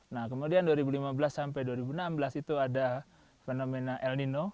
nah kemudian dua ribu lima belas sampai dua ribu enam belas itu ada fenomena el nino